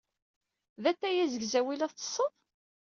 D atay azegzaw ay la tettesseḍ?